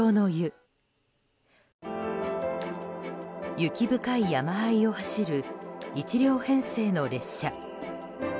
雪深い山あいを走る１両編成の列車。